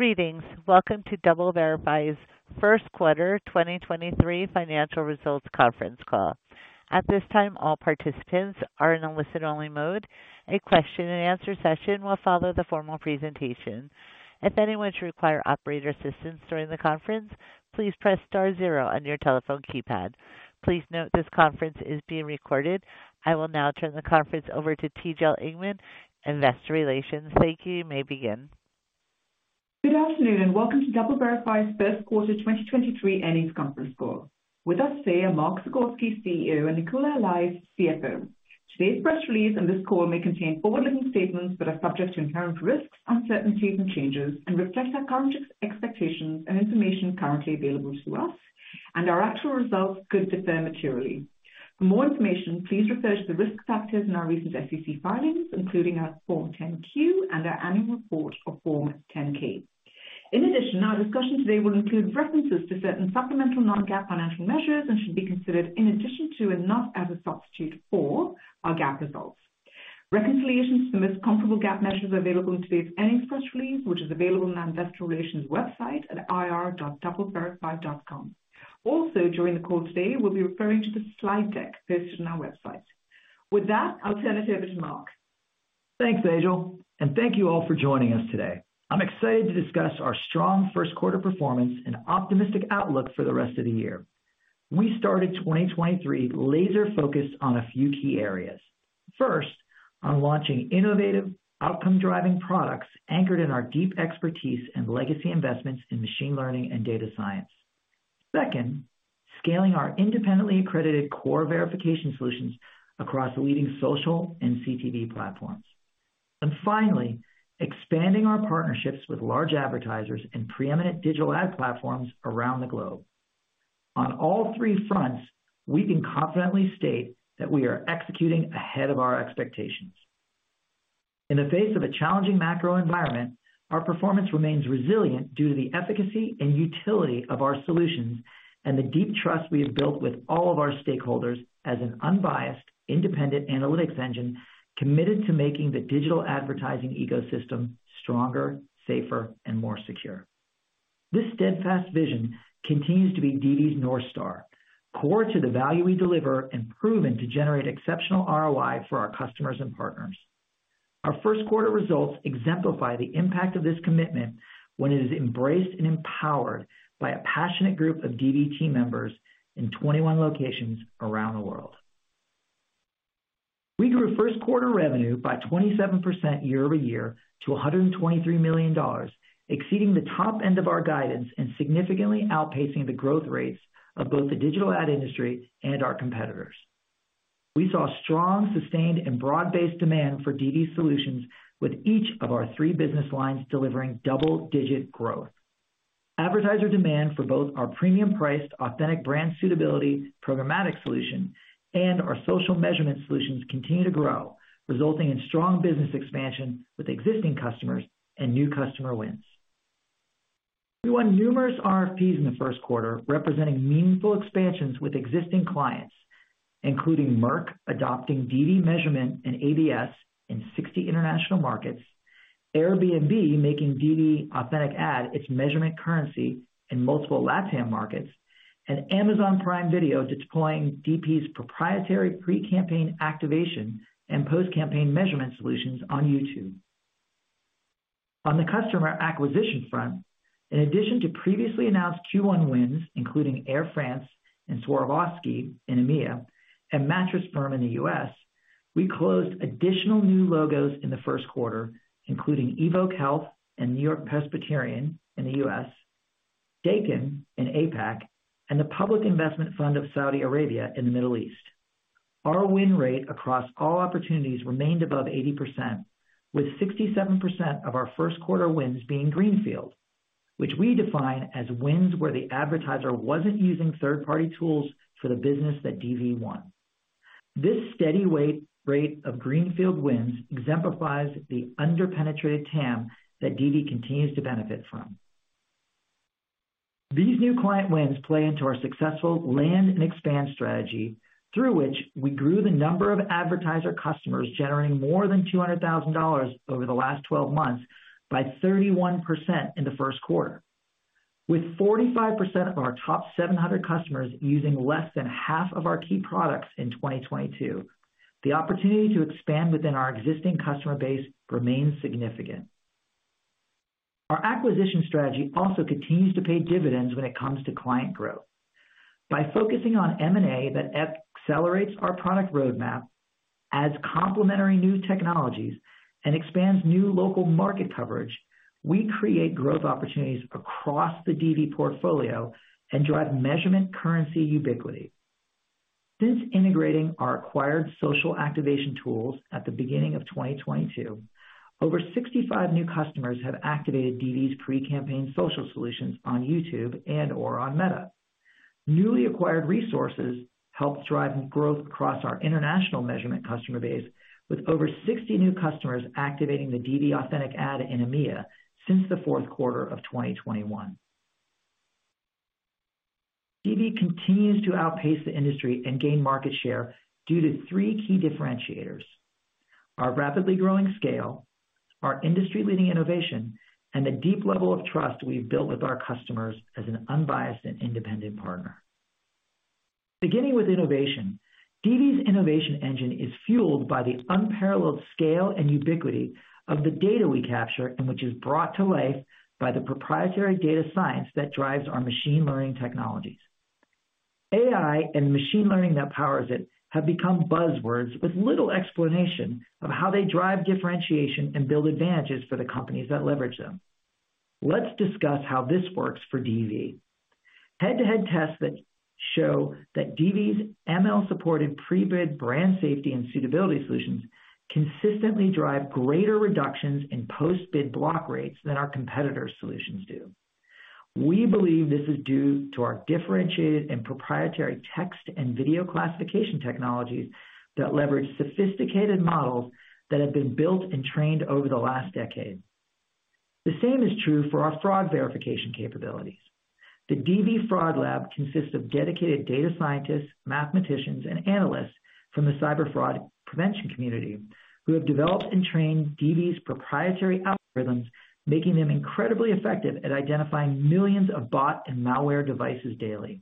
Greetings. Welcome to DoubleVerify's first quarter 2023 financial results conference call. At this time, all participants are in a listen-only mode. A question and answer session will follow the formal presentation. If anyone should require operator assistance during the conference, please press star zero on your telephone keypad. Please note this conference is being recorded. I will now turn the conference over to Tejal Engman, Investor Relations. Thank you. You may begin. Good afternoon, welcome to DoubleVerify's first quarter 2023 earnings conference call. With us today are Mark Zagorski, CEO, and Nicola Allais, CFO. Today's press release and this call may contain forward-looking statements that are subject to inherent risks, uncertainties, and changes and reflect our current expectations and information currently available to us, and our actual results could differ materially. For more information, please refer to the risk factors in our recent SEC filings, including our Form 10-Q and our annual report or Form 10-K. In addition, our discussion today will include references to certain supplemental non-GAAP financial measures and should be considered in addition to and not as a substitute for our GAAP results. Reconciliations to the most comparable GAAP measures available in today's earnings press release, which is available on our investor relations website at ir.doubleverify.com. During the call today, we'll be referring to the slide deck posted on our website. With that, I'll turn it over to Mark. Thanks, Tejal, and thank you all for joining us today. I'm excited to discuss our strong first quarter performance and optimistic outlook for the rest of the year. We started 2023 laser-focused on a few key areas. First, on launching innovative outcome-driving products anchored in our deep expertise and legacy investments in machine learning and data science. Second, scaling our independently accredited core verification solutions across leading social and CTV platforms. Finally, expanding our partnerships with large advertisers and preeminent digital ad platforms around the globe. On all three fronts, we can confidently state that we are executing ahead of our expectations. In the face of a challenging macro environment, our performance remains resilient due to the efficacy and utility of our solutions and the deep trust we have built with all of our stakeholders as an unbiased, independent analytics engine committed to making the digital advertising ecosystem stronger, safer, and more secure. This steadfast vision continues to be DV's North Star, core to the value we deliver and proven to generate exceptional ROI for our customers and partners. Our first quarter results exemplify the impact of this commitment when it is embraced and empowered by a passionate group of DV team members in 21 locations around the world. We grew first quarter revenue by 27% year-over-year to $123 million, exceeding the top end of our guidance and significantly outpacing the growth rates of both the digital ad industry and our competitors. We saw strong, sustained, and broad-based demand for DV solutions, with each of our three business lines delivering double-digit growth. Advertiser demand for both our premium-priced Authentic Brand Suitability programmatic solution and our social measurement solutions continue to grow, resulting in strong business expansion with existing customers and new customer wins. We won numerous RFPs in the first quarter, representing meaningful expansions with existing clients, including Merck adopting DV measurement and ABS in 60 international markets, Airbnb making DV Authentic Ad its measurement currency in multiple LatAm markets, and Amazon Prime Video deploying DV's proprietary pre-campaign activation and post-campaign measurement solutions on YouTube. On the customer acquisition front, in addition to previously announced Q1 wins, including Air France and Swarovski in EMEA and Mattress Firm in the U.S, we closed additional new logos in the first quarter, including Evoke Health and NewYork-Presbyterian in the U.S, Daikin in APAC, and the Public Investment Fund of Saudi Arabia in the Middle East. Our win rate across all opportunities remained above 80%, with 67% of our first quarter wins being greenfield, which we define as wins where the advertiser wasn't using third-party tools for the business that DV won. This steady rate of greenfield wins exemplifies the under-penetrated TAM that DV continues to benefit from. These new client wins play into our successful land and expand strategy through which we grew the number of advertiser customers generating more than $200,000 over the last 12 months by 31% in the first quarter. With 45% of our top 700 customers using less than half of our key products in 2022, the opportunity to expand within our existing customer base remains significant. Our acquisition strategy also continues to pay dividends when it comes to client growth. By focusing on M&A that accelerates our product roadmap, adds complementary new technologies, and expands new local market coverage, we create growth opportunities across the DV portfolio and drive measurement currency ubiquity. Since integrating our acquired social activation tools at the beginning of 2022, over 65 new customers have activated DV's pre-campaign social solutions on YouTube and or on Meta. Newly acquired resources help drive growth across our international measurement customer base, with over 60 new customers activating the DV Authentic Ad in EMEA since the fourth quarter of 2021. DV continues to outpace the industry and gain market share due to three key differentiators. Our rapidly growing scale, our industry-leading innovation, and the deep level of trust we've built with our customers as an unbiased and independent partner. Beginning with innovation, DV's innovation engine is fueled by the unparalleled scale and ubiquity of the data we capture and which is brought to life by the proprietary data science that drives our machine learning technologies. AI and machine learning that powers it have become buzzwords with little explanation of how they drive differentiation and build advantages for the companies that leverage them. Let's discuss how this works for DV. Head-to-head tests that show that DV's ML-supported pre-bid brand safety and suitability solutions consistently drive greater reductions in post-bid block rates than our competitors' solutions do. We believe this is due to our differentiated and proprietary text and video classification technologies that leverage sophisticated models that have been built and trained over the last decade. The same is true for our fraud verification capabilities. The DV Fraud Lab consists of dedicated data scientists, mathematicians, and analysts from the cyber fraud prevention community who have developed and trained DV's proprietary algorithms, making them incredibly effective at identifying millions of bot and malware devices daily.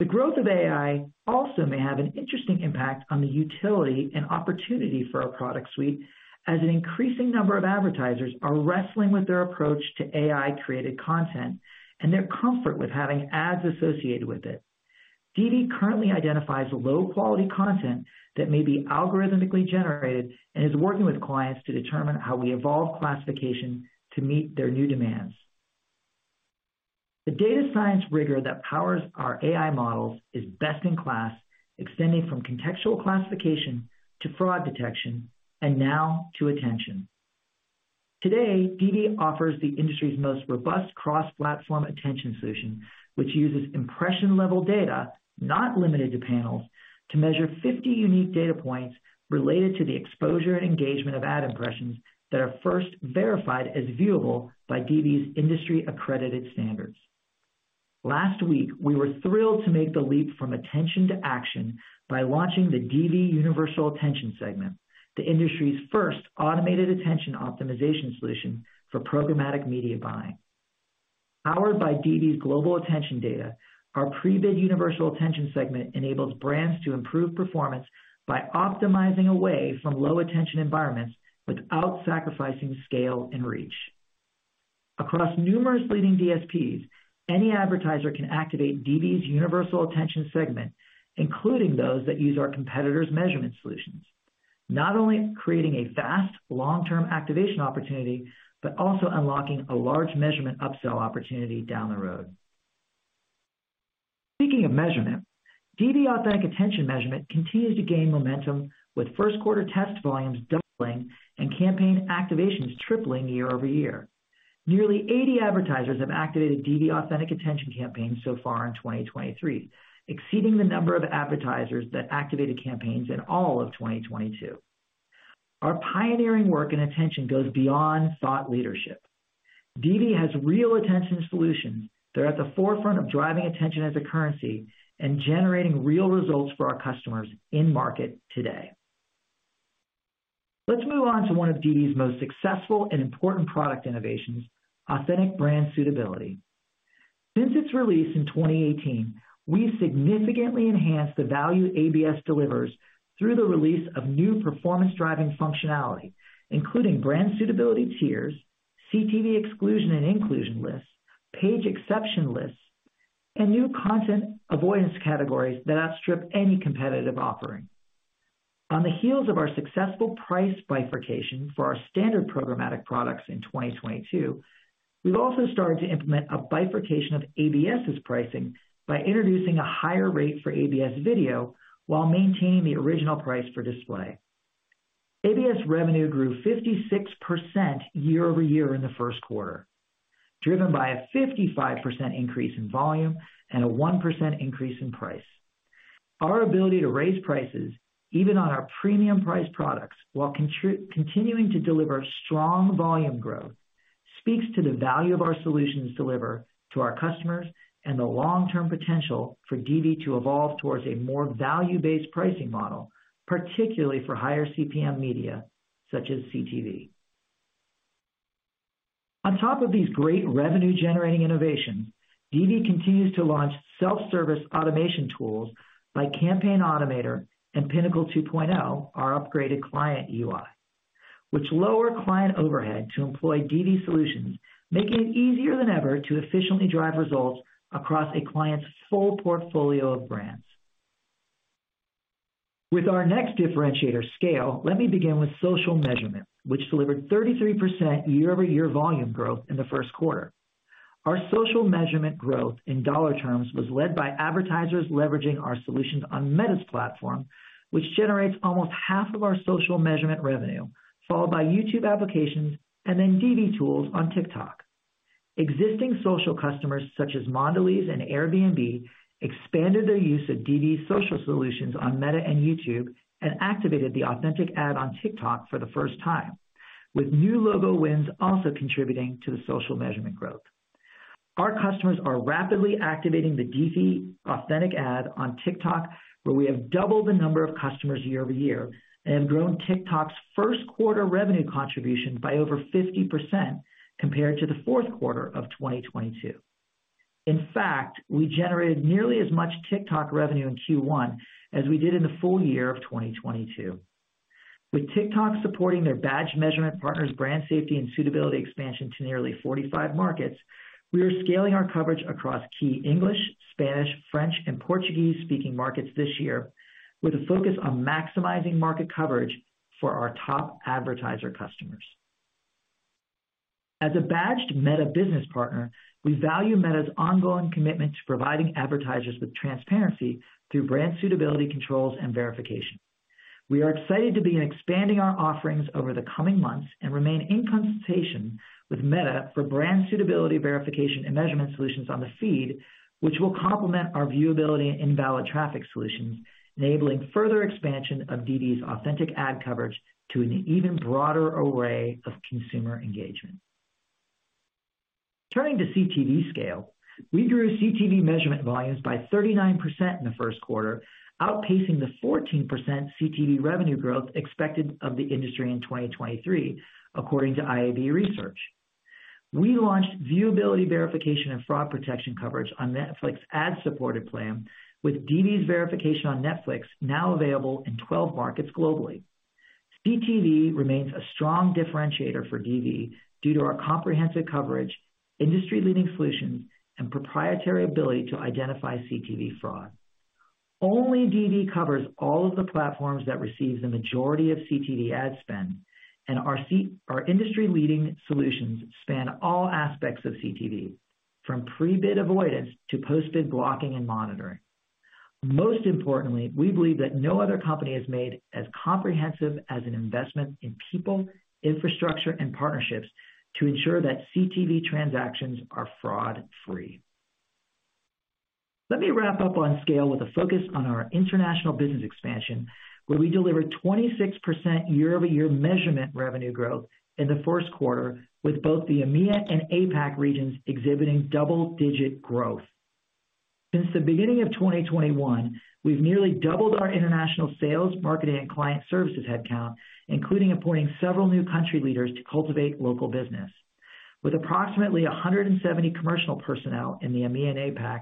The growth of AI also may have an interesting impact on the utility and opportunity for our product suite, as an increasing number of advertisers are wrestling with their approach to AI-created content and their comfort with having ads associated with it. DV currently identifies low-quality content that may be algorithmically generated and is working with clients to determine how we evolve classification to meet their new demands. The data science rigor that powers our AI models is best in class, extending from contextual classification to fraud detection and now to attention. Today, DV offers the industry's most robust cross-platform attention solution, which uses impression-level data, not limited to panels, to measure 50 unique data points related to the exposure and engagement of ad impressions that are first verified as viewable by DV's industry-accredited standards. Last week, we were thrilled to make the leap from attention to action by launching the DV Universal Attention Segment, the industry's first automated attention optimization solution for programmatic media buying. Powered by DV's global attention data, our pre-bid universal attention segment enables brands to improve performance by optimizing away from low-attention environments without sacrificing scale and reach. Across numerous leading DSPs, any advertiser can activate DV's universal attention segment, including those that use our competitors' measurement solutions, not only creating a fast, long-term activation opportunity, but also unlocking a large measurement upsell opportunity down the road. Speaking of measurement, DV Authentic Attention measurement continues to gain momentum, with 1st quarter test volumes doubling and campaign activations tripling year-over-year. Nearly 80 advertisers have activated DV Authentic Attention campaigns so far in 2023, exceeding the number of advertisers that activated campaigns in all of 2022. Our pioneering work in attention goes beyond thought leadership. DV has real attention solutions that are at the forefront of driving attention as a currency and generating real results for our customers in market today. Let's move on to one of DV's most successful and important product innovations, Authentic Brand Suitability. Since its release in 2018, we significantly enhanced the value ABS delivers through the release of new performance-driving functionality, including brand suitability tiers, CTV exclusion and inclusion lists, page exception lists, and new content avoidance categories that outstrip any competitive offering. On the heels of our successful price bifurcation for our standard programmatic products in 2022, we've also started to implement a bifurcation of ABS' pricing by introducing a higher rate for ABS video while maintaining the original price for display. ABS revenue grew 56% year-over-year in the first quarter, driven by a 55% increase in volume and a 1% increase in price. Our ability to raise prices, even on our premium priced products, while continuing to deliver strong volume growth, speaks to the value of our solutions deliver to our customers and the long-term potential for DV to evolve towards a more value-based pricing model, particularly for higher CPM media, such as CTV. On top of these great revenue-generating innovations, DV continues to launch self-service automation tools like Campaign Automator and Pinnacle 2.0, our upgraded client UI, which lower client overhead to employ DV solutions, making it easier than ever to efficiently drive results across a client's full portfolio of brands. With our next differentiator, scale, let me begin with social measurement, which delivered 33% year-over-year volume growth in the first quarter. Our social measurement growth in dollar terms was led by advertisers leveraging our solutions on Meta's platform, which generates almost half of our social measurement revenue, followed by YouTube applications and then DV tools on TikTok. Existing social customers such as Mondelēz and Airbnb expanded their use of DV's social solutions on Meta and YouTube and activated the Authentic Ad on TikTok for the first time. With new logo wins also contributing to the social measurement growth. Our customers are rapidly activating the DV Authentic Ad on TikTok, where we have doubled the number of customers year-over-year and have grown TikTok's first quarter revenue contribution by over 50% compared to the fourth quarter of 2022. In fact, we generated nearly as much TikTok revenue in Q1 as we did in the full year of 2022. With TikTok supporting their badge measurement partners brand safety and suitability expansion to nearly 45 markets, we are scaling our coverage across key English, Spanish, French and Portuguese speaking markets this year, with a focus on maximizing market coverage for our top advertiser customers. As a badged Meta business partner, we value Meta's ongoing commitment to providing advertisers with transparency through brand suitability controls and verification. We are excited to be expanding our offerings over the coming months and remain in consultation with Meta for brand suitability verification and measurement solutions on the feed, which will complement our viewability and invalid traffic solutions, enabling further expansion of DV's Authentic Ad coverage to an even broader array of consumer engagement. Turning to CTV scale, we grew CTV measurement volumes by 39% in the first quarter, outpacing the 14% CTV revenue growth expected of the industry in 2023, according to IAB Research. We launched viewability verification and fraud protection coverage on Netflix ad-supported plan, with DV's verification on Netflix now available in 12 markets globally. CTV remains a strong differentiator for DV due to our comprehensive coverage, industry-leading solutions, and proprietary ability to identify CTV fraud. Only DV covers all of the platforms that receive the majority of CTV ad spend, and our industry-leading solutions span all aspects of CTV, from pre-bid avoidance to post-bid blocking and monitoring. Most importantly, we believe that no other company has made as comprehensive as an investment in people, infrastructure and partnerships to ensure that CTV transactions are fraud free. Let me wrap up on scale with a focus on our international business expansion, where we delivered 26% year-over-year measurement revenue growth in the first quarter, with both the EMEA and APAC regions exhibiting double-digit growth. Since the beginning of 2021, we've nearly doubled our international sales, marketing and client services headcount, including appointing several new country leaders to cultivate local business. With approximately 170 commercial personnel in the EMEA and APAC,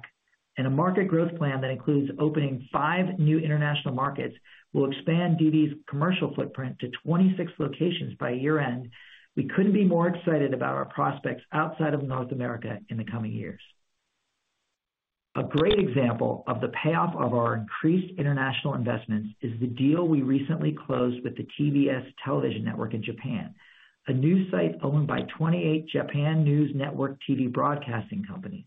and a market growth plan that includes opening five new international markets will expand DV's commercial footprint to 26 locations by year-end. We couldn't be more excited about our prospects outside of North America in the coming years. A great example of the payoff of our increased international investments is the deal we recently closed with the TBS television network in Japan, a news site owned by 28 Japan News Network TV broadcasting companies.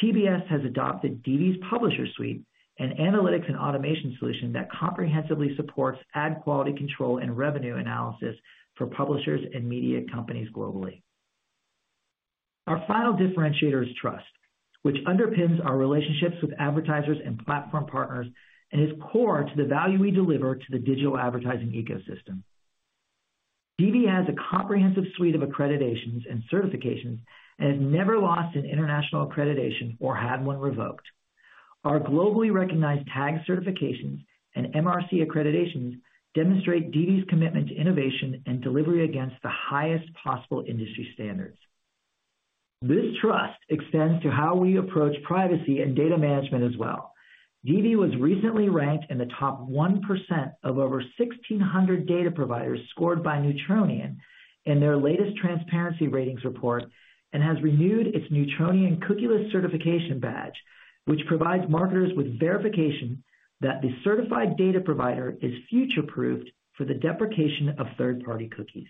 TBS has adopted DV's Publisher Suite, an analytics and automation solution that comprehensively supports ad quality control and revenue analysis for publishers and media companies globally. Our final differentiator is trust, which underpins our relationships with advertisers and platform partners and is core to the value we deliver to the digital advertising ecosystem. DV has a comprehensive suite of accreditations and certifications and has never lost an international accreditation or had one revoked. Our globally recognized tag certifications and MRC accreditations demonstrate DV's commitment to innovation and delivery against the highest possible industry standards. This trust extends to how we approach privacy and data management as well. DV was recently ranked in the top 1% of over 1,600 data providers scored by Neutronian in their latest transparency ratings report, and has renewed its Neutronian cookieless certification badge, which provides marketers with verification that the certified data provider is future-proofed for the deprecation of third-party cookies.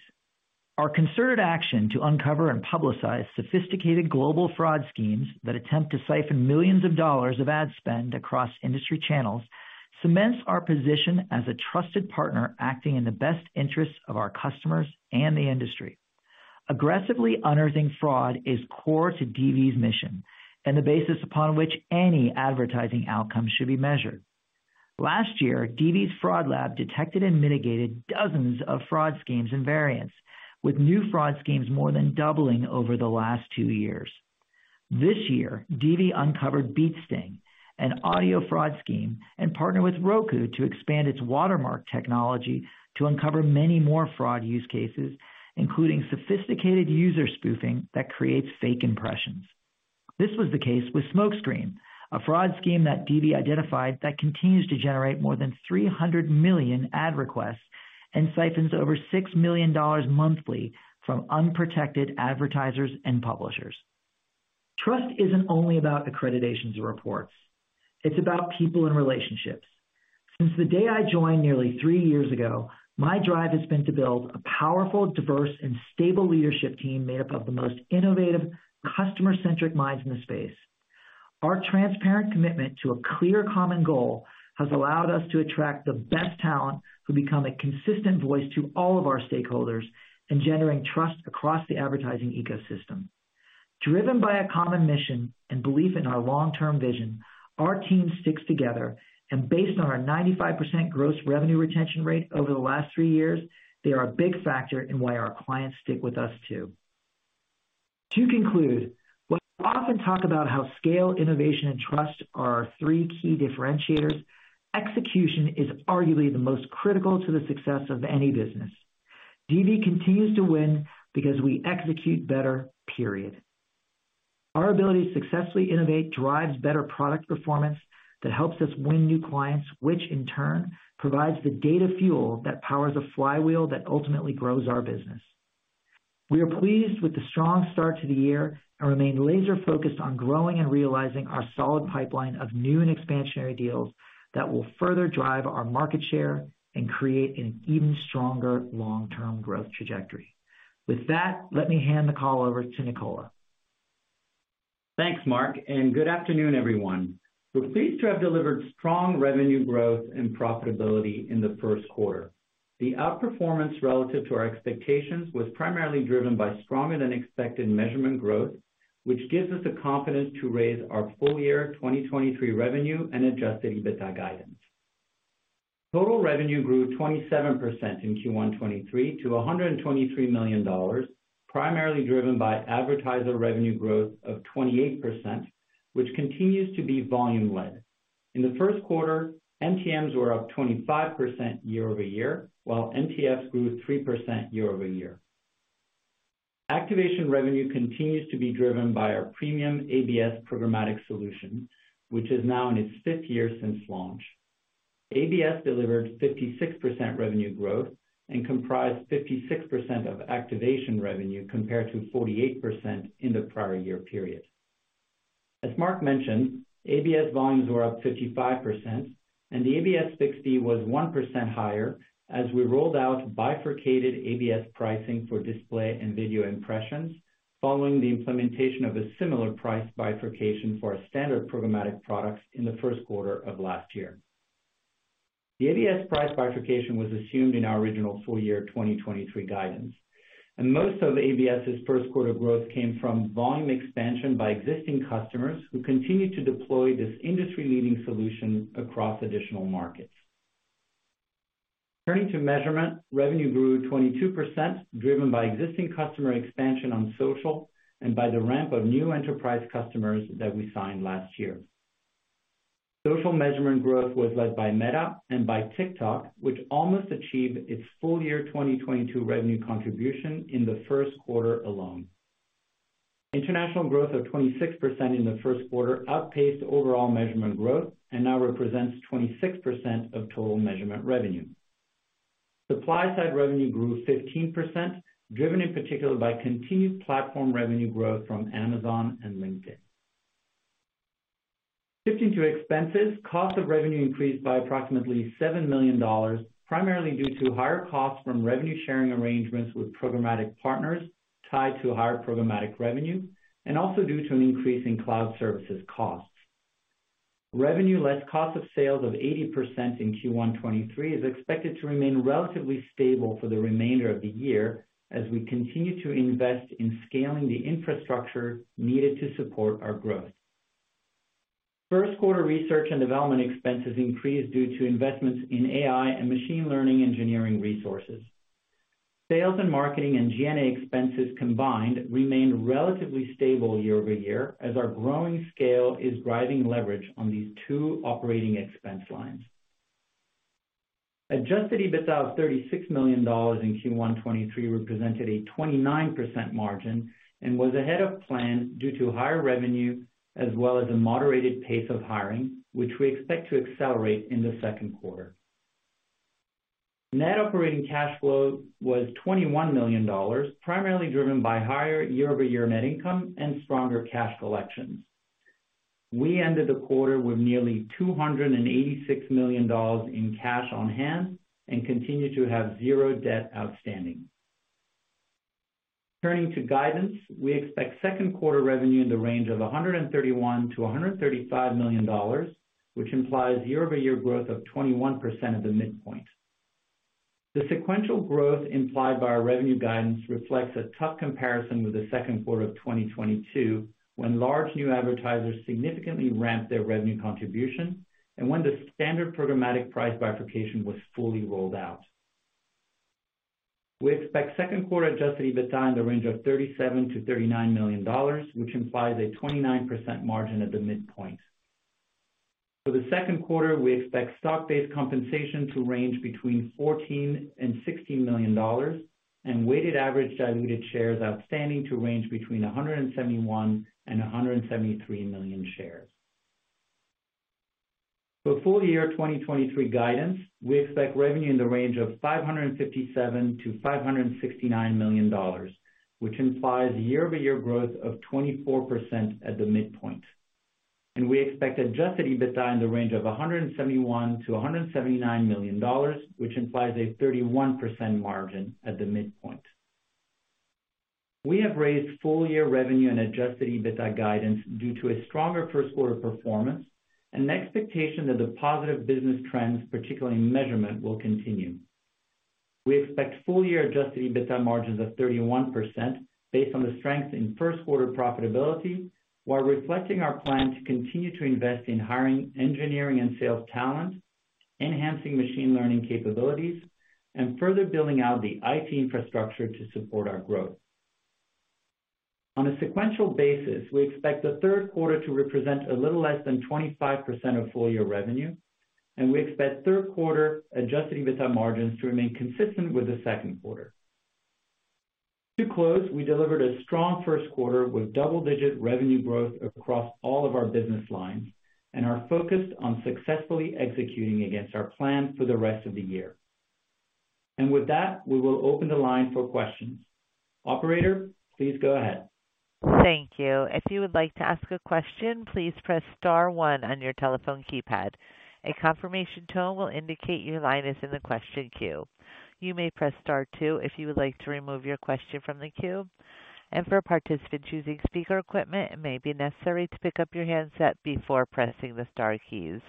Our concerted action to uncover and publicize sophisticated global fraud schemes that attempt to siphon millions of dollars of ad spend across industry channels cements our position as a trusted partner acting in the best interests of our customers and the industry. Aggressively unearthing fraud is core to DV's mission and the basis upon which any advertising outcome should be measured. Last year, DV's Fraud Lab detected and mitigated dozens of fraud schemes and variants, with new fraud schemes more than doubling over the last two years. This year, DV uncovered Beat Sting, an audio fraud scheme, and partnered with Roku to expand its watermark technology to uncover many more fraud use cases, including sophisticated user spoofing that creates fake impressions. This was the case with SmokeScreen, a fraud scheme that DV identified that continues to generate more than $300 million ad requests and siphons over $6 million monthly from unprotected advertisers and publishers. Trust isn't only about accreditations or reports, it's about people and relationships. Since the day I joined nearly three years ago, my drive has been to build a powerful, diverse and stable leadership team made up of the most innovative, customer-centric minds in the space. Our transparent commitment to a clear common goal has allowed us to attract the best talent who become a consistent voice to all of our stakeholders in generating trust across the advertising ecosystem. Driven by a common mission and belief in our long-term vision, our team sticks together, and based on our 95% gross revenue retention rate over the last three years, they are a big factor in why our clients stick with us too. To conclude, we often talk about how scale, innovation, and trust are our three key differentiators. Execution is arguably the most critical to the success of any business. DV continues to win because we execute better, period. Our ability to successfully innovate drives better product performance that helps us win new clients, which in turn provides the data fuel that powers a flywheel that ultimately grows our business. We are pleased with the strong start to the year and remain laser-focused on growing and realizing our solid pipeline of new and expansionary deals that will further drive our market share and create an even stronger long-term growth trajectory. With that, let me hand the call over to Nicola. Thanks, Mark, and good afternoon, everyone. We're pleased to have delivered strong revenue growth and profitability in the 1st quarter. The outperformance relative to our expectations was primarily driven by stronger-than-expected measurement growth, which gives us the confidence to raise our full year 2023 revenue and Adjusted EBITDA guidance. Total revenue grew 27% in Q1 2023 to $123 million, primarily driven by advertiser revenue growth of 28%, which continues to be volume-led. In the first quarter, MTMs were up 25% year-over-year, while MTFs grew 3% year-over-year. Activation revenue continues to be driven by our premium ABS programmatic solution, which is now in its fifth year since launch. ABS delivered 56% revenue growth and comprised 56% of activation revenue, compared to 48% in the prior year period. As Mark mentioned, ABS volumes were up 55% the ABS 60 was 1% higher as we rolled out bifurcated ABS pricing for display and video impressions, following the implementation of a similar price bifurcation for our standard programmatic products in the first quarter of last year. The ABS price bifurcation was assumed in our original full year 2023 guidance, most of ABS' first quarter growth came from volume expansion by existing customers who continue to deploy this industry-leading solution across additional markets. Turning to measurement, revenue grew 22%, driven by existing customer expansion on social and by the ramp of new enterprise customers that we signed last year. Social measurement growth was led by Meta and by TikTok, which almost achieved its full year 2022 revenue contribution in the first quarter alone. International growth of 26% in the first quarter outpaced overall measurement growth and now represents 26% of total measurement revenue. Supply-side revenue grew 15%, driven in particular by continued platform revenue growth from Amazon and LinkedIn. Shifting to expenses, cost of revenue increased by approximately $7 million, primarily due to higher costs from revenue sharing arrangements with programmatic partners tied to higher programmatic revenue, and also due to an increase in cloud services costs. Revenue less cost of sales of 80% in Q1 2023 is expected to remain relatively stable for the remainder of the year as we continue to invest in scaling the infrastructure needed to support our growth. First quarter research and development expenses increased due to investments in AI and machine learning engineering resources. Sales and marketing and G&A expenses combined remained relatively stable year-over-year as our growing scale is driving leverage on these two operating expense lines. Adjusted EBITDA of $36 million in Q1 2023 represented a 29% margin and was ahead of plan due to higher revenue as well as a moderated pace of hiring, which we expect to accelerate in the second quarter. Net operating cash flow was $21 million, primarily driven by higher year-over-year net income and stronger cash collections. We ended the quarter with nearly $286 million in cash on hand and continue to have zero debt outstanding. Turning to guidance, we expect second quarter revenue in the range of $131 million to $135 million, which implies year-over-year growth of 21% at the midpoint. The sequential growth implied by our revenue guidance reflects a tough comparison with the second quarter of 2022, when large new advertisers significantly ramped their revenue contribution and when the standard programmatic price bifurcation was fully rolled out. We expect second quarter Adjusted EBITDA in the range of $37 million to $39 million, which implies a 29% margin at the midpoint. For the second quarter, we expect stock-based compensation to range between $14 million and $16 million and weighted average diluted shares outstanding to range between 171 million and 173 million shares. For full year 2023 guidance, we expect revenue in the range of $557 million to $569 million, which implies year-over-year growth of 24% at the midpoint. We expect Adjusted EBITDA in the range of $171 million to $179 million, which implies a 31% margin at the midpoint. We have raised full-year revenue and Adjusted EBITDA guidance due to a stronger first quarter performance and an expectation that the positive business trends, particularly in measurement, will continue. We expect full year Adjusted EBITDA margins of 31% based on the strength in first quarter profitability, while reflecting our plan to continue to invest in hiring engineering and sales talent, enhancing machine learning capabilities, and further building out the IT infrastructure to support our growth. On a sequential basis, we expect the third quarter to represent a little less than 25% of full-year revenue, and we expect third quarter Adjusted EBITDA margins to remain consistent with the second quarter. To close, we delivered a strong first quarter with double-digit revenue growth across all of our business lines and are focused on successfully executing against our plan for the rest of the year. With that, we will open the line for questions. Operator, please go ahead. Thank you. If you would like to ask a question, please press star one on your telephone keypad. A confirmation tone will indicate your line is in the question queue. You may press Star two if you would like to remove your question from the queue. For a participant choosing speaker equipment, it may be necessary to pick up your handset before pressing the star keys.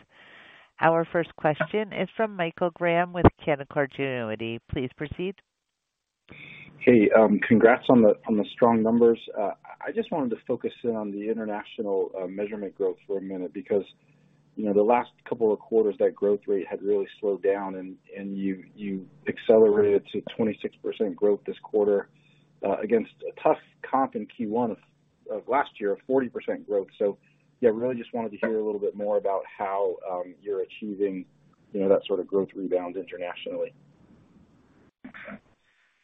Our first question is from Michael Graham with Canaccord Genuity. Please proceed. Hey, congrats on the, on the strong numbers. I just wanted to focus in on the international measurement growth for a minute because, you know, the last couple of quarters that growth rate had really slowed down and you accelerated to 26% growth this quarter, against a tough comp in Q1 of last year of 40% growth. Yeah, really just wanted to hear a little bit more about how you're achieving, you know, that sort of growth rebound internationally?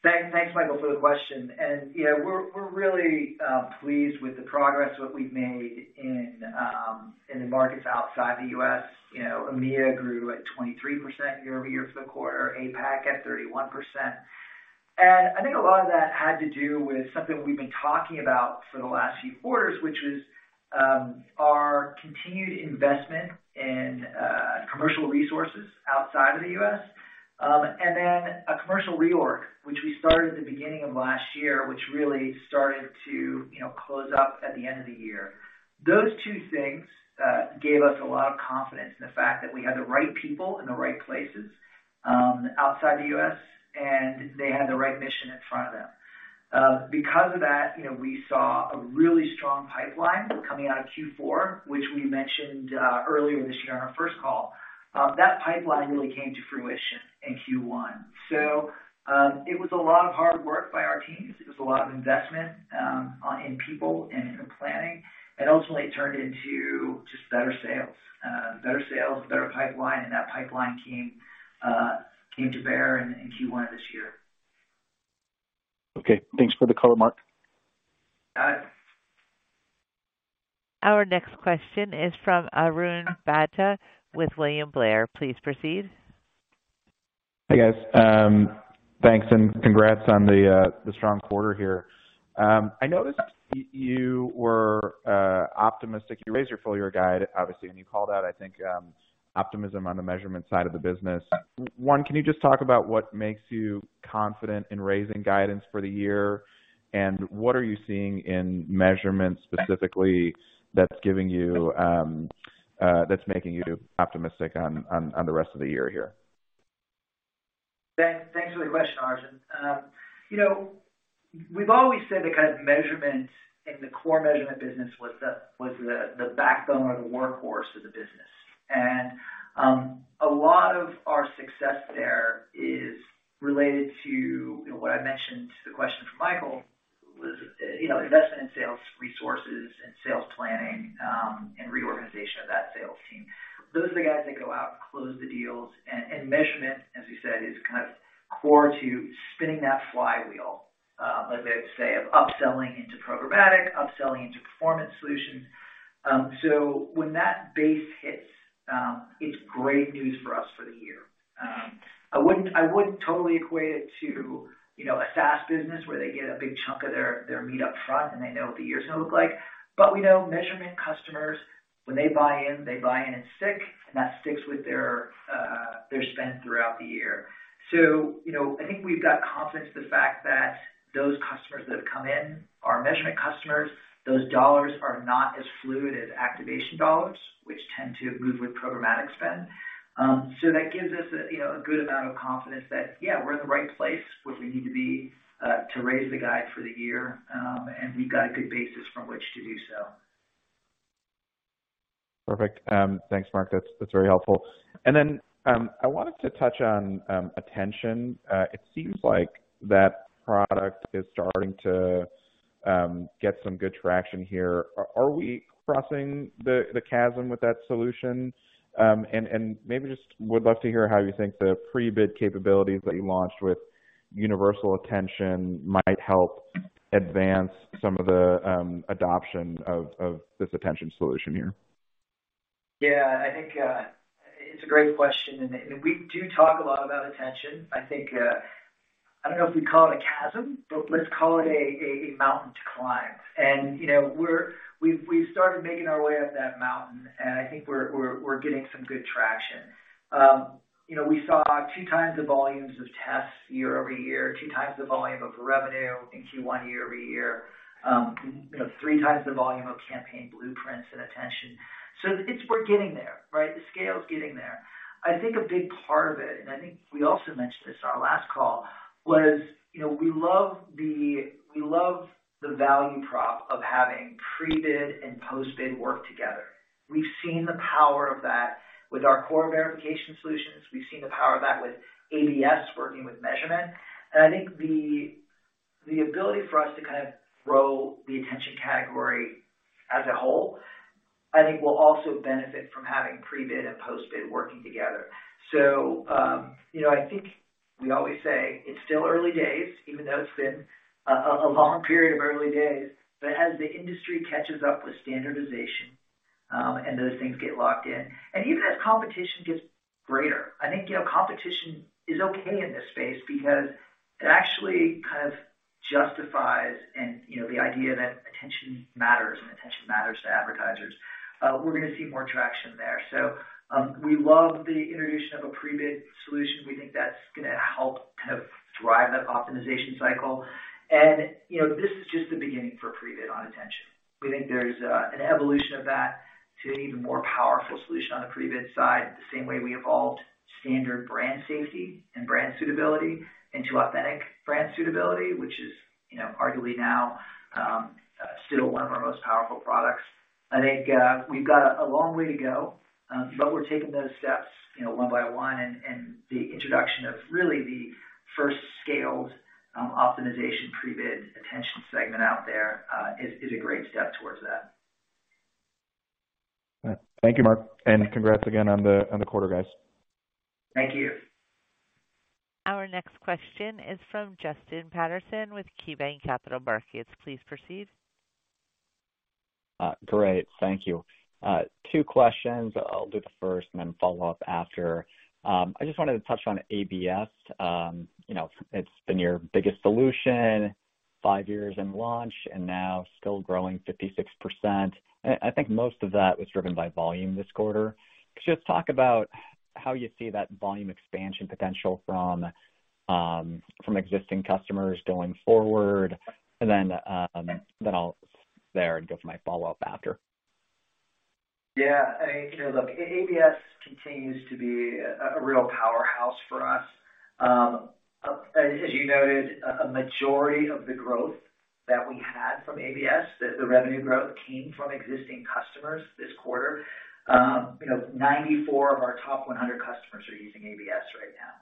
Thanks, Michael, for the question. you know, we're really pleased with the progress that we've made in the markets outside the U.S. You know, EMEA grew at 23% year-over-year for the quarter, APAC at 31%. I think a lot of that had to do with something we've been talking about for the last few quarters, which was our continued investment in commercial resources outside of the U.S. A commercial reorg, which we started at the beginning of last year, which really started to close up at the end of the year. Those two things gave us a lot of confidence in the fact that we had the right people in the right places outside the U.S., and they had the right mission in front of them. Because of that, you know, we saw a really strong pipeline coming out of Q4, which we mentioned earlier this year on our first call. That pipeline really came to fruition in Q1. It was a lot of hard work by our teams. It was a lot of investment in people and in planning, and ultimately it turned into just better sales. Better sales, better pipeline, and that pipeline came to bear in Q1 of this year. Okay. Thanks for the color, Mark. Got it. Our next question is from Arjun Bhatia with William Blair. Please proceed. Hey, guys. thanks and congrats on the strong quarter here. I noticed you were optimistic. You raised your full-year guide, obviously, and you called out, I think, optimism on the measurement side of the business. One, can you just talk about what makes you confident in raising guidance for the year? What are you seeing in measurements specifically that's giving you that's making you optimistic on the rest of the year here? Thanks. Thanks for the question, Arjun. You know, we've always said the kind of measurement in the core measurement business was the backbone or the workhorse of the business. A lot of our success there is related to, you know, what I mentioned to the question from Michael, was, you know, investment in sales resources and sales planning and reorganization of that sales team. Those are the guys that go out and close the deals and measurement, as you said, is kind of core to spinning that flywheel, like they say, of upselling into programmatic, upselling into performance solutions. When that base hits, it's great news for us for the year. I wouldn't totally equate it to, you know, a SaaS business where they get a big chunk of their meet upfront and they know what the year's gonna look like. We know measurement customers, when they buy in, they buy in in stick, and that sticks with their spend throughout the year. You know, I think we've got confidence in the fact that those customers that have come in are measurement customers. Those dollars are not as fluid as activation dollars, which tend to move with programmatic spend. That gives us a, you know, a good amount of confidence that, yeah, we're in the right place, which we need to be to raise the guide for the year. We've got a good basis from which to do so. Perfect. Thanks, Mark. That's very helpful. I wanted to touch on attention. It seems like that product is starting to get some good traction here. Are we crossing the chasm with that solution? Maybe just would love to hear how you think the pre-bid capabilities that you launched with universal attention might help advance some of the adoption of this attention solution here. Yeah, I think it's a great question. We do talk a lot about attention. I think I don't know if we'd call it a chasm, but let's call it a mountain to climb. You know, we've started making our way up that mountain, and I think we're getting some good traction. You know, we saw two times the volumes of tests year-over-year, two times the volume of revenue in Q1 year-over-year, you know, three times the volume of campaign blueprints and attention. We're getting there, right? The scale is getting there. I think a big part of it, and I think we also mentioned this in our last call, was, you know, we love the value prop of having pre-bid and post-bid work together. We've seen the power of that with our core verification solutions. We've seen the power of that with ABS working with measurement. I think the ability for us to kind of grow the attention category as a whole, I think, will also benefit from having pre-bid and post-bid working together. You know, I think we always say it's still early days, even though it's been a long period of early days. As the industry catches up with standardization, and those things get locked in, even as competition gets greater, I think, you know, competition is okay in this space because it actually kind of justifies and, you know, the idea that attention matters and attention matters to advertisers. We're gonna see more traction there. We love the introduction of a pre-bid solution. We think that's gonna help kind of drive that optimization cycle. You know, this is just the beginning for pre-bid on attention. We think there's an evolution of that to an even more powerful solution on the pre-bid side, the same way we evolved standard brand safety and brand suitability into Authentic Brand Suitability, which is, you know, arguably now, still one of our most powerful products. I think we've got a long way to go, but we're taking those steps, you know, one by one. The introduction of really the first scaled optimization pre-bid attention segment out there, is a great step towards that. All right. Thank you, Mark, and congrats again on the quarter, guys. Thank you. Our next question is from Justin Patterson with KeyBanc Capital Markets. Please proceed. Great. Thank you. Two questions. I'll do the first and then follow up after. I just wanted to touch on ABS. It's been your biggest solution, five years in launch and now still growing 56%. I think most of that was driven by volume this quarter. Could you just talk about how you see that volume expansion potential from existing customers going forward? Then I'll pause there and go for my follow-up after. Yeah. I think, you know, look, ABS continues to be a real powerhouse for us. As you noted, a majority of the growth that we had from ABS, the revenue growth came from existing customers this quarter. You know, 94 of our top 100 customers are using ABS right now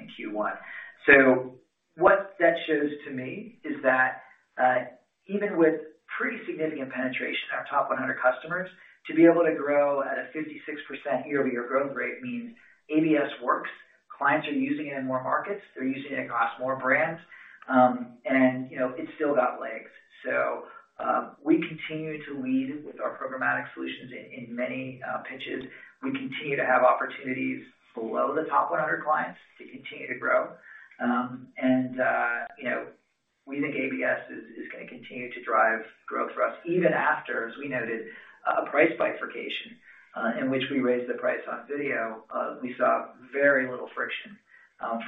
in Q1. What that shows to me is that even with pretty significant penetration in our top 100 customers, to be able to grow at a 56% year-over-year growth rate means ABS works. Clients are using it in more markets. They're using it across more brands. You know, it's still got legs. We continue to lead with our programmatic solutions in many pitches. We continue to have opportunities below the top 100 clients to continue to grow. you know, we think ABS is gonna continue to drive growth for us even after, as we noted, a price bifurcation, in which we raised the price on video. We saw very little friction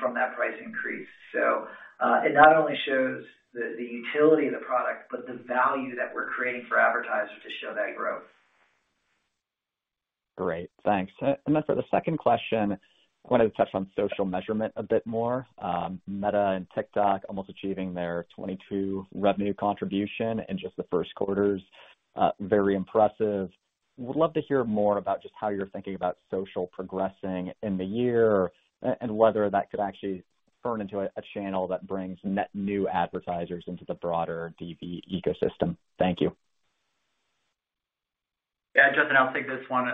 from that price increase. It not only shows the utility of the product, but the value that we're creating for advertisers to show that growth. Great. Thanks. Then for the second question, I wanted to touch on social measurement a bit more. Meta and TikTok almost achieving their 2022 revenue contribution in just the first quarter is very impressive. Would love to hear more about just how you're thinking about social progressing in the year and whether that could actually turn into a channel that brings net new advertisers into the broader DV ecosystem. Thank you. Yeah. Justin, I'll take this one.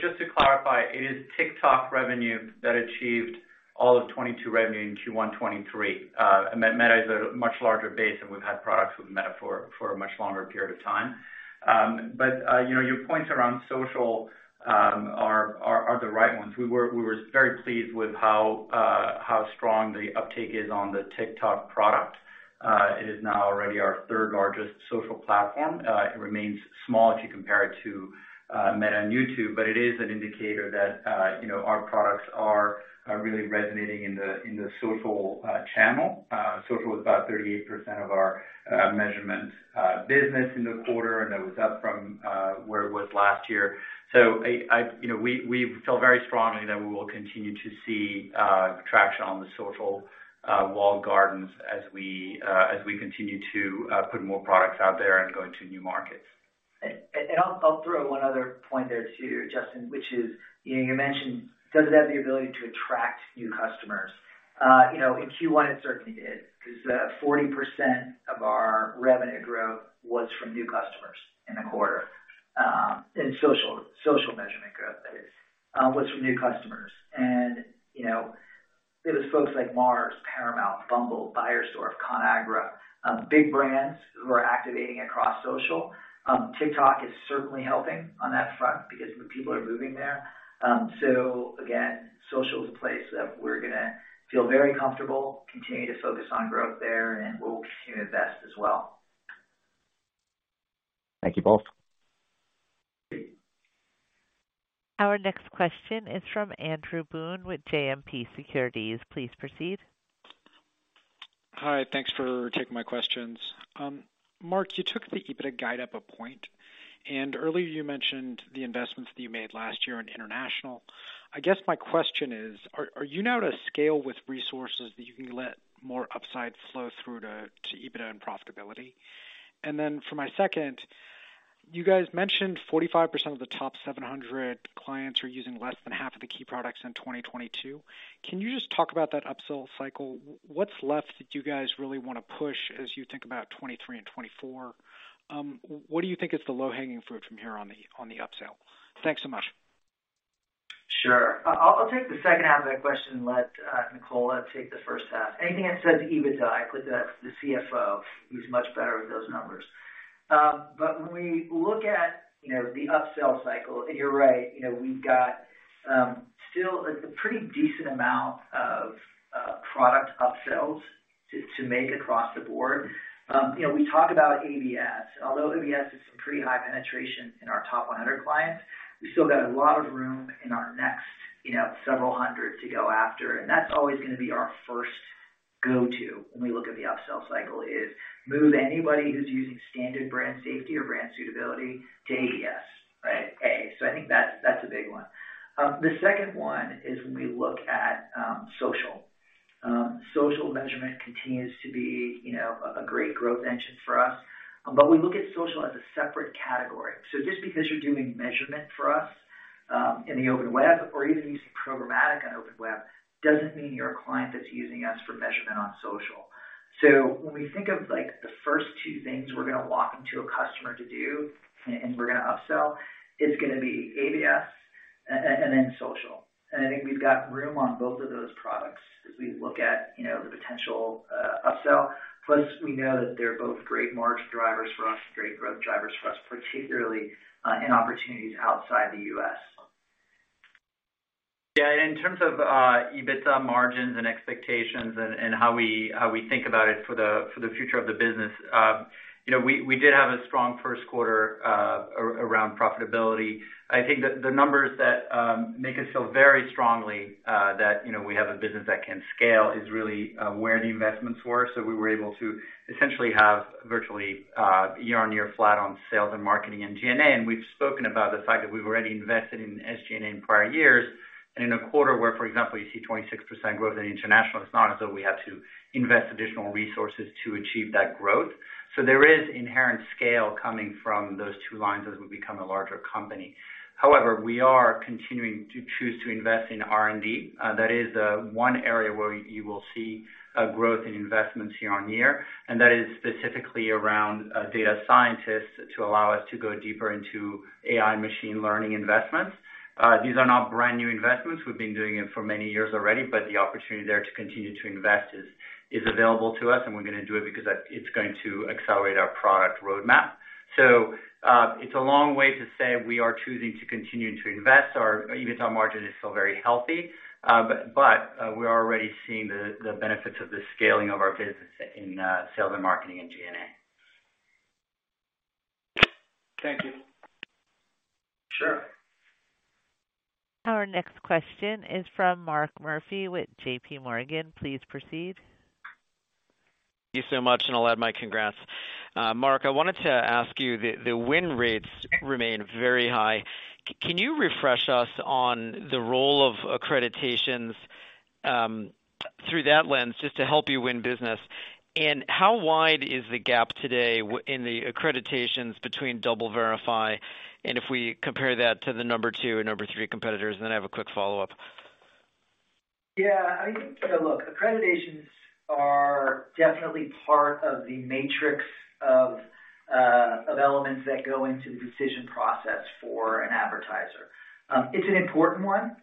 Just to clarify, it is TikTok revenue that achieved all of 2022 revenue in Q1 2023. Meta is a much larger base, and we've had products with Meta for a much longer period of time. You know, your points around social are the right ones. We were very pleased with how strong the uptake is on the TikTok product. It is now already our third-largest social platform. It remains small if you compare it to Meta and YouTube, but it is an indicator that, you know, our products are really resonating in the social channel. Social was about 38% of our measurement business in the quarter. That was up from where it was last year. I, you know, we feel very strongly that we will continue to see traction on the social walled gardens as we continue to put more products out there and go into new markets. I'll throw one other point there, too, Justin, which is, you know, you mentioned does it have the ability to attract new customers? You know, in Q1, it certainly did because 40% of our revenue growth was from new customers in the quarter, in social measurement growth that is, was from new customers. You know, it was folks like Mars, Paramount, Bumble, Bayer, Conagra, big brands who are activating across social. TikTok is certainly helping on that front because people are moving there. Again, social is a place that we're gonna feel very comfortable, continue to focus on growth there, and we'll continue to invest as well. Thank you both. Our next question is from Andrew Boone with JMP Securities. Please proceed. Hi. Thanks for taking my questions. Mark, you took the EBITDA guide up a point, earlier you mentioned the investments that you made last year in international. I guess my question is: Are you now to scale with resources that you can let more upside flow through to EBITDA and profitability? For my second, you guys mentioned 45% of the top 700 clients are using less than half of the key products in 2022. Can you just talk about that upsell cycle? What's left that you guys really wanna push as you think about 2023 and 2024? What do you think is the low-hanging fruit from here on the upsell? Thanks so much. Sure. I'll take the second half of that question and let Nicola take the first half. Anything that says EBITDA, I put to the CFO, he's much better with those numbers. When we look at, you know, the upsell cycle, and you're right, you know, we've got still a pretty decent amount of product upsells to make across the board. You know, we talk about ABS. Although ABS has some pretty high penetration in our top 100 clients, we've still got a lot of room in our next, you know, several hundred to go after. That's always gonna be our first go-to when we look at the upsell cycle, is move anybody who's using standard brand safety or brand suitability to ABS, right? I think that's a big one. The second one is when we look at social. Social measurement continues to be, you know, a great growth engine for us, but we look at social as a separate category. Just because you're doing measurement for us in the open web or even using programmatic on open web, doesn't mean you're a client that's using us for measurement on social. When we think of, like, the first two things we're gonna walk into a customer to do and we're gonna upsell, it's gonna be ABS and then social. I think we've got room on both of those products as we look at, you know, the potential upsell. We know that they're both great margin drivers for us and great growth drivers for us, particularly in opportunities outside the US. Yeah. In terms of EBITDA margins and expectations and, how we, how we think about it for the future of the business, you know, we did have a strong first quarter, around profitability. I think that the numbers that make us feel very strongly that, you know, we have a business that can scale is really where the investments were. We were able to essentially have virtually year-over-year flat on sales and marketing and G&A, and we've spoken about the fact that we've already invested in SG&A in prior years. In a quarter where, for example, you see 26% growth in international, it's not as though we have to invest additional resources to achieve that growth. There is inherent scale coming from those two lines as we become a larger company. We are continuing to choose to invest in R&D. That is one area where you will see growth in investments year-on-year, that is specifically around data scientists to allow us to go deeper into AI machine learning investments. These are not brand new investments. We've been doing it for many years already, the opportunity there to continue to invest is available to us, and we're gonna do it because it's going to accelerate our product roadmap. It's a long way to say we are choosing to continue to invest. Our EBITDA margin is still very healthy, but we're already seeing the benefits of the scaling of our business in sales and marketing and G&A. Thank you. Sure. Our next question is from Mark Murphy with JP Morgan. Please proceed. Thank you so much, and I'll add my congrats. Mark, I wanted to ask you, the win rates remain very high. Can you refresh us on the role of accreditations through that lens, just to help you win business? How wide is the gap today in the accreditations between DoubleVerify, and if we compare that to the number two and number three competitors? Then I have a quick follow-up. I mean, accreditations are definitely part of the matrix of elements that go into the decision process for an advertiser. It's an important one,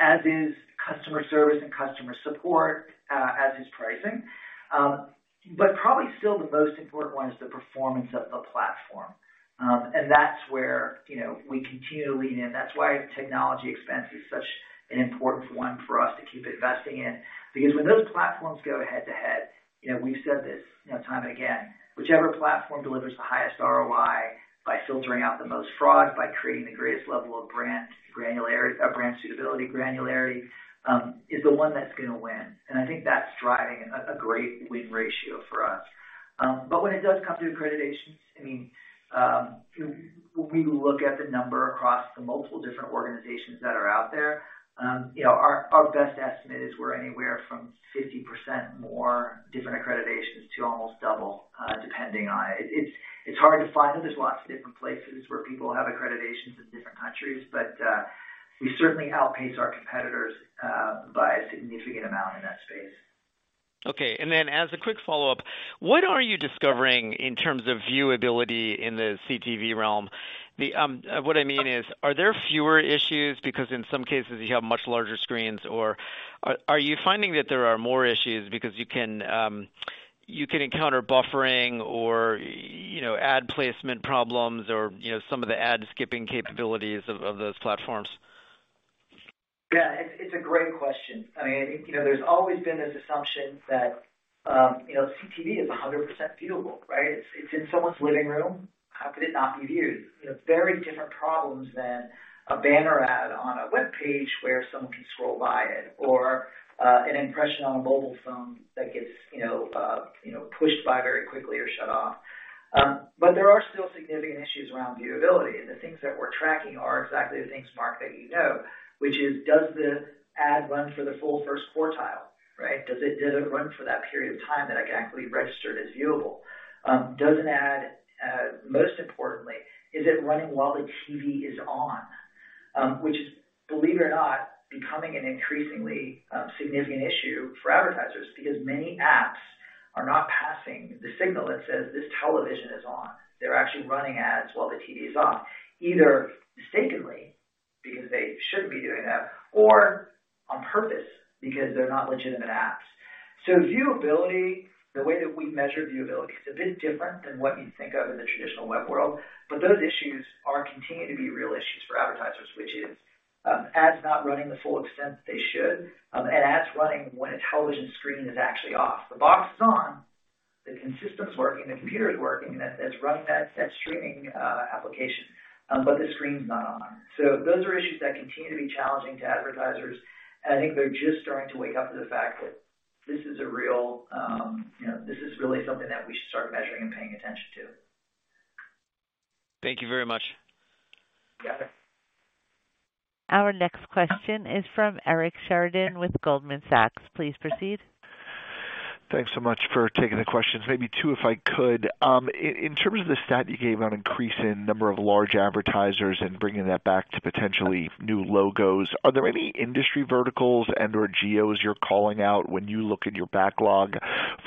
as is customer service and customer support, as is pricing. Probably still the most important one is the performance of the platform. That's where, you know, we continue to lean in. That's why technology expense is such an important one for us to keep investing in. Because when those platforms go head to head, you know, we've said this, you know, time and again, whichever platform delivers the highest ROI by filtering out the most fraud, by creating the greatest level of brand suitability granularity, is the one that's gonna win. I think that's driving a great win ratio for us. When it does come to accreditations, when you look at the number across the multiple different organizations that are out there, our best estimate is we're anywhere from 50% more different accreditations to almost double, depending on. It's hard to find them. There's lots of different places where people have accreditations in different countries, we certainly outpace our competitors by a significant amount in that space. Okay. Then as a quick follow-up, what are you discovering in terms of viewability in the CTV realm? What I mean is, are there fewer issues because in some cases you have much larger screens? Or are you finding that there are more issues because you can encounter buffering or, you know, ad placement problems or, you know, some of the ad skipping capabilities of those platforms? Yeah, it's a great question. I mean, you know, there's always been this assumption that, you know, CTV is 100% viewable, right? It's in someone's living room. How could it not be viewed? You know, very different problems than a banner ad on a webpage where someone can scroll by it or an impression on a mobile phone that gets, you know, pushed by very quickly or shut off. There are still significant issues around viewability. The things that we're tracking are exactly the things, Mark, that you know, which is, does the ad run for the full first quartile, right? Does it run for that period of time that I can actually register it as viewable? Does an ad, most importantly, is it running while the TV is on? Which is, believe it or not, becoming an increasingly significant issue for advertisers because many apps are not passing the signal that says this television is on. They're actually running ads while the TV is off, either mistakenly because they shouldn't be doing that or on purpose because they're not legitimate apps. Viewability, the way that we measure viewability is a bit different than what you'd think of in the traditional web world, but those issues are continuing to be real issues for advertisers, which is, ads not running the full extent they should, and ads running when a television screen is actually off. The box is on, the system's working, the computer is working that is running that streaming application, but the screen's not on. Those are issues that continue to be challenging to advertisers, and I think they're just starting to wake up to the fact that this is a real, you know, this is really something that we should start measuring and paying attention to. Thank you very much. Yeah. Our next question is from Eric Sheridan with Goldman Sachs. Please proceed. Thanks so much for taking the questions. Maybe two, if I could. In terms of the stat you gave on increase in number of large advertisers and bringing that back to potentially new logos, are there any industry verticals and/or geos you're calling out when you look at your backlog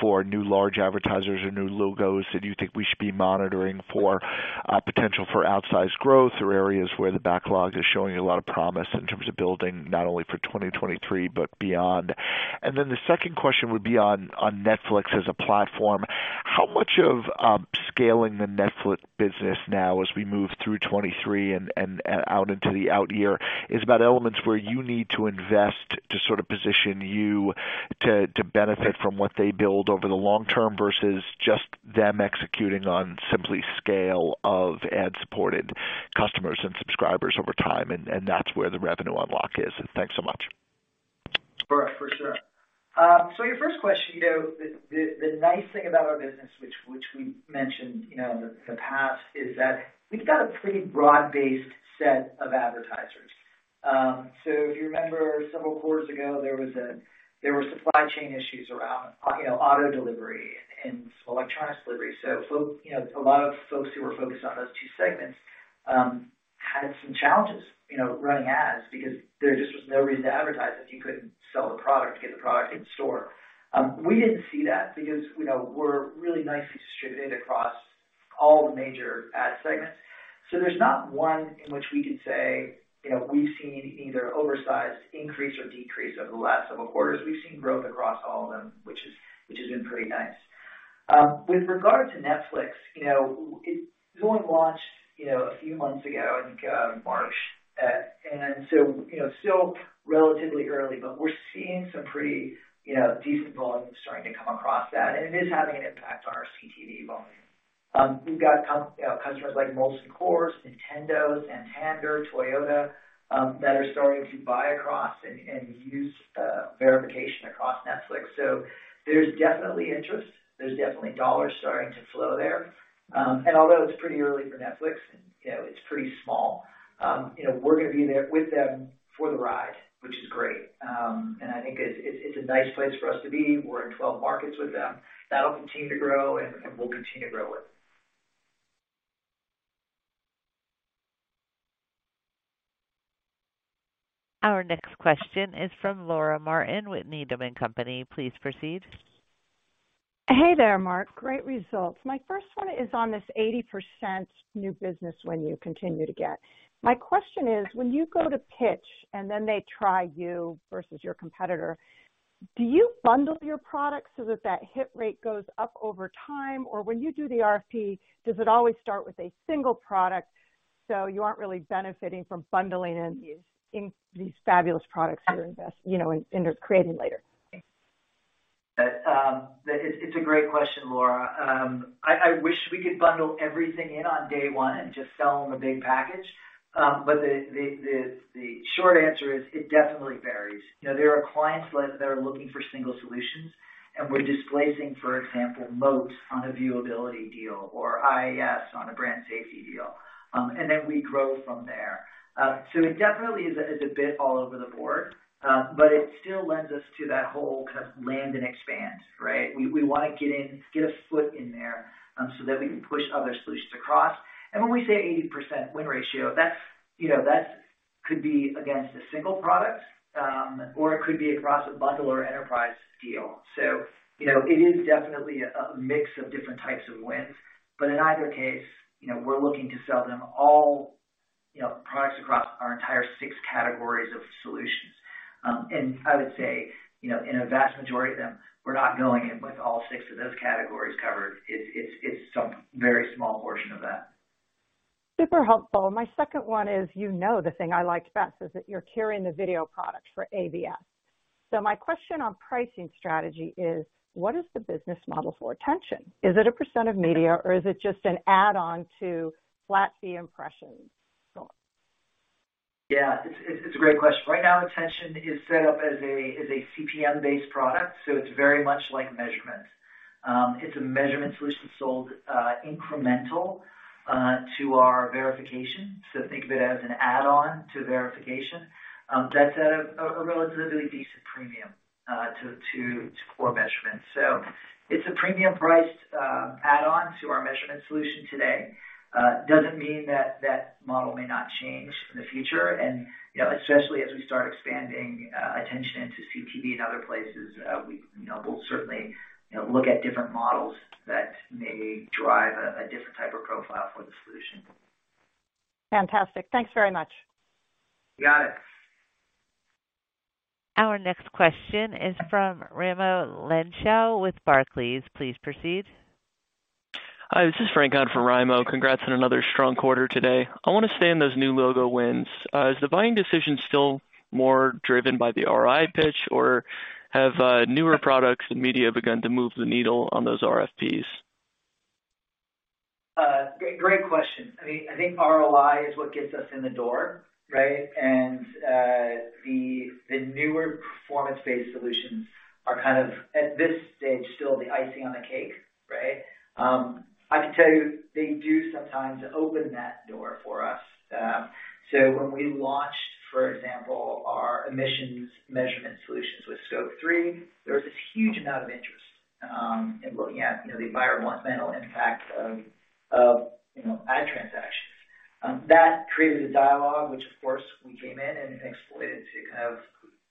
for new large advertisers or new logos that you think we should be monitoring for potential for outsized growth or areas where the backlog is showing a lot of promise in terms of building not only for 2023 but beyond? The second question would be on Netflix as a platform. How much of scaling the Netflix business now as we move through 23 and out into the out year is about elements where you need to invest to sort of position you to benefit from what they build over the long term versus just them executing on simply scale of ad-supported customers and subscribers over time, and that's where the revenue unlock is? Thanks so much. Sure. For sure. Your first question, you know, the nice thing about our business which we mentioned, you know, in the past is that we've got a pretty broad-based set of advertisers. If you remember several quarters ago, there were supply chain issues around, you know, auto delivery and electronics delivery. A lot of folks who were focused on those two segments, had some challenges, you know, running ads because there just was no reason to advertise if you couldn't sell the product to get the product in store. We didn't see that because, you know, we're really nicely distributed across all the major ad segments. There's not one in which we could say, you know, we've seen either oversized increase or decrease over the last several quarters. We've seen growth across all of them, which has been pretty nice. With regard to Netflix, you know, Zoom launched, you know, a few months ago, I think, March. You know, still relatively early, but we're seeing some pretty, you know, decent volumes starting to come across that, and it is having an impact on our CTV volume. We've got, you know, customers like Molson Coors, Nintendo, Santander, Toyota, that are starting to buy across and use verification across Netflix. There's definitely interest. There's definitely dollars starting to flow there. Although it's pretty early for Netflix, you know, it's pretty small, you know, we're gonna be there with them for the ride, which is great. I think it's a nice place for us to be. We're in 12 markets with them. That'll continue to grow, and we'll continue to grow it. Our next question is from Laura Martin with Needham & Company. Please proceed. Hey there, Mark. Great results. My first one is on this 80% new business win you continue to get. My question is, when you go to pitch and then they try you versus your competitor, do you bundle your product so that that hit rate goes up over time? When you do the RFP, does it always start with a single product, so you aren't really benefiting from bundling in these fabulous products that you invest, you know, end up creating later? That it's a great question, Laura. I wish we could bundle everything in on day one and just sell them a big package. The short answer is it definitely varies. You know, there are clients that are looking for single solutions, we're displacing, for example, Moat on a viewability deal or IAS on a brand safety deal. Then we grow from there. It definitely is a bit all over the board, it still lends us to that whole kind of land and expand, right? We wanna get in, get a foot in there, that we can push other solutions across. When we say 80% win ratio, that's, you know, that's could be against a single product, or it could be across a bundle or enterprise deal. You know, it is definitely a mix of different types of wins. In either case, you know, we're looking to sell them all, you know, products across our entire six categories of solutions. I would say, you know, in a vast majority of them, we're not going in with all six of those categories covered. It's, it's some very small portion of that. Super helpful. My second one is, you know the thing I liked best is that you're carrying the video product for ABS. My question on pricing strategy is: What is the business model for attention? Is it a % of media or is it just an add-on to flat fee impressions? Yeah. It's a great question. Right now, attention is set up as a CPM-based product, so it's very much like measurement. It's a measurement solution sold incremental to our verification. So think of it as an add-on to verification. That's at a relatively decent premium to core measurements. So it's a premium-priced add-on to our measurement solution today. Doesn't mean that that model may not change in the future. You know, especially as we start expanding attention into CTV and other places, we, you know, we'll certainly, you know, look at different models that may drive a different type of profile for the solution. Fantastic. Thanks very much. You got it. Our next question is from Raimo Lenschow with Barclays. Please proceed. Hi, this is Frank on for Raimo. Congrats on another strong quarter today. I wanna stay in those new logo wins. Is the buying decision still more driven by the ROI pitch or have newer products and media begun to move the needle on those RFPs? Great question. I mean, I think ROI is what gets us in the door, right? The newer performance-based solutions are kind of, at this stage, still the icing on the cake, right? I can tell you they do sometimes open that door for us. When we launched, for example, our emissions measurement solutions with Scope3, there was this huge amount of interest, in looking at, you know, the environmental impact of, you know, ad transactions. That created a dialogue, which of course we came in and exploited to kind of,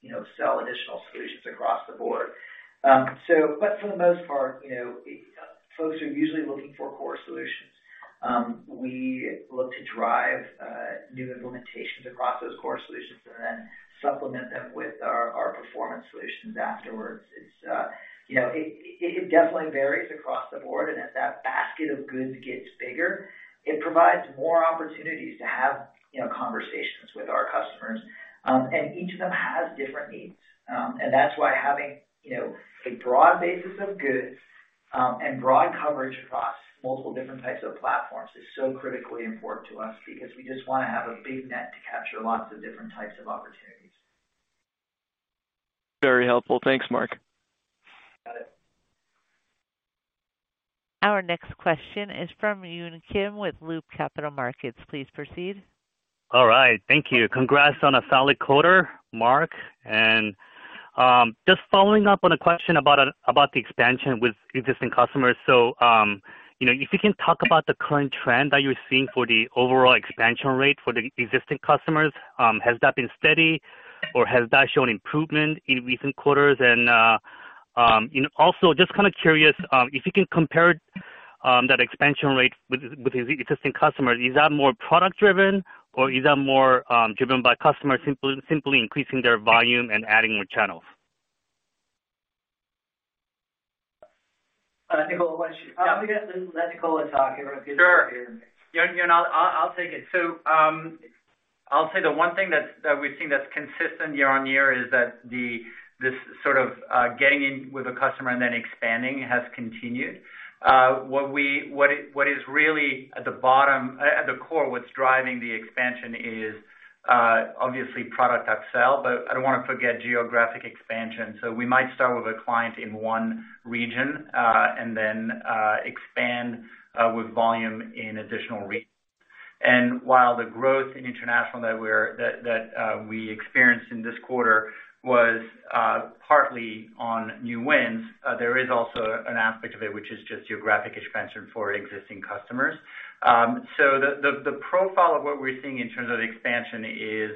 you know, sell additional solutions across the board. But for the most part, you know, folks are usually looking for core solutions. We look to drive new implementations across those core solutions and then supplement them with our performance solutions afterwards. It's, you know, it definitely varies across the board. As that basket of goods gets bigger, it provides more opportunities to have, you know, conversations with our customers. Each of them has different needs. That's why having, you know, a broad basis of goods, and broad coverage across multiple different types of platforms is so critically important to us because we just wanna have a big net to capture lots of different types of opportunities. Very helpful. Thanks, Mark. Got it. Our next question is from Yun Kim with Loop Capital Markets. Please proceed. All right. Thank you. Congrats on a solid quarter, Mark. Just following up on a question about the expansion with existing customers. You know, if you can talk about the current trend that you're seeing for the overall expansion rate for the existing customers, has that been steady or has that shown improvement in recent quarters? You know, also just kind of curious, if you can compare that expansion rate with existing customers, is that more product driven or is that more driven by customers simply increasing their volume and adding more channels? I'm gonna let Nicola talk here. Sure. Yun Kim, I'll take it. I'll say the one thing that we've seen that's consistent year-on-year is that this sort of, getting in with a customer and then expanding has continued. What we, what is really at the bottom, at the core, what's driving the expansion is obviously product upsell, but I don't wanna forget geographic expansion. We might start with a client in one region, and then expand with volume in additional regions. While the growth in international that we experienced in this quarter was partly on new wins, there is also an aspect of it which is just geographic expansion for existing customers. The profile of what we're seeing in terms of the expansion is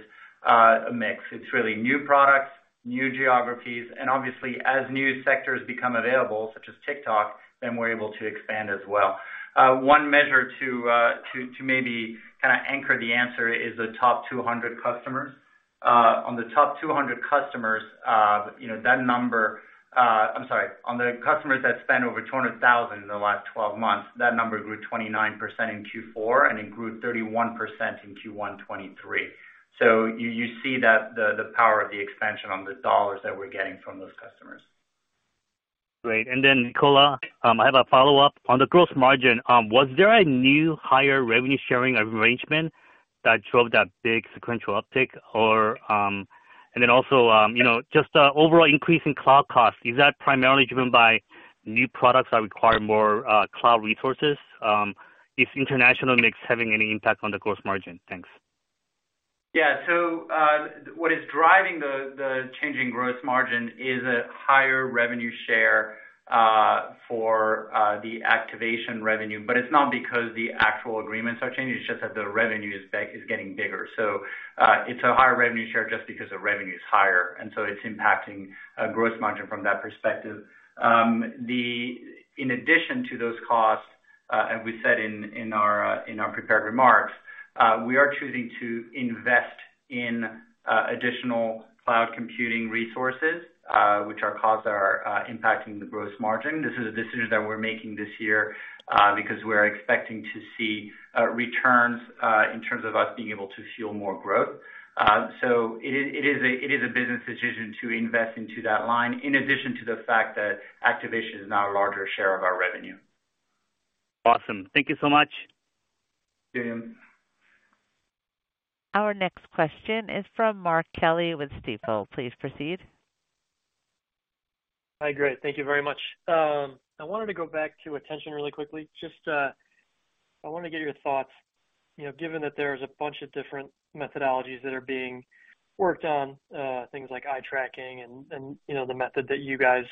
a mix. It's really new products, new geographies, and obviously as new sectors become available, such as TikTok, then we're able to expand as well. One measure to maybe kind of anchor the answer is the top 200 customers. On the top 200 customers, you know, that number, I'm sorry. On the customers that spent over $200,000 in the last 12 months, that number grew 29% in Q4 and it grew 31% in Q1 2023. You see that the power of the expansion on the dollars that we're getting from those customers. Great. Nicola, I have a follow-up. On the gross margin, was there a new higher revenue sharing arrangement that drove that big sequential uptick? You know, just the overall increase in cloud costs, is that primarily driven by new products that require more cloud resources? Is international mix having any impact on the gross margin? Thanks. What is driving the change in gross margin is a higher revenue share, for the activation revenue, but it's not because the actual agreements are changing, it's just that the revenue is back, is getting bigger. It's a higher revenue share just because the revenue is higher, and so it's impacting gross margin from that perspective. In addition to those costs, as we said in our, in our prepared remarks. We are choosing to invest in additional cloud computing resources, which are costs that are impacting the gross margin. This is a decision that we're making this year because we're expecting to see returns in terms of us being able to fuel more growth. It is, it is a, it is a business decision to invest into that line in addition to the fact that activation is now a larger share of our revenue. Awesome. Thank you so much. Thank you. Our next question is from Mark Kelley with Stifel. Please proceed. Hi. Great. Thank you very much. I wanted to go back to attention really quickly. Just, I wanna get your thoughts, you know, given that there's a bunch of different methodologies that are being worked on, things like eye tracking and, you know, the method that you guys